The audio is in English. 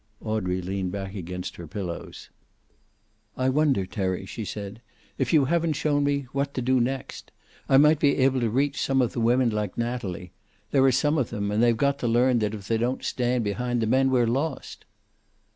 Audrey leaned back against her pillows. "I wonder, Terry," she said, "if you haven't shown me what to do next. I might be able to reach some of the women like Natalie. There are some of them, and they've got to learn that if they don't stand behind the men, we're lost."